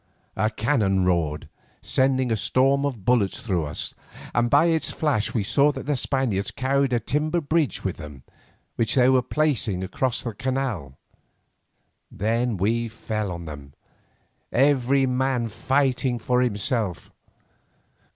A cannon roared, sending a storm of bullets through us, and by its flash we saw that the Spaniards carried a timber bridge with them, which they were placing across the canal. Then we fell on them, every man fighting for himself.